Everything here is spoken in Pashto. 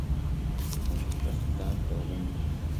د مشروطه سلطنت ډولونه